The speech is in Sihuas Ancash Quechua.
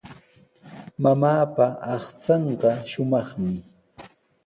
Mamaapa aqchanqa shumaqmi.